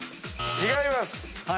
違います。